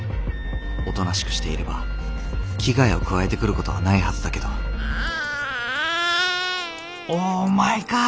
おとなしくしていれば危害を加えてくることはないはずだけどオーマイガー！